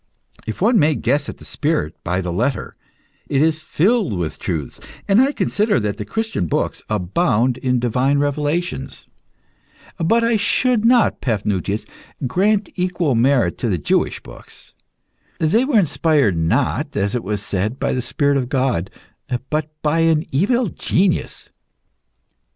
If one may guess at the spirit by the letter, it is filled with truths, and I consider that the Christian books abound in divine revelations. But I should not, Paphnutius, grant equal merit to the Jewish books. They were inspired not, as it was said, by the Spirit of God, but by an evil genius.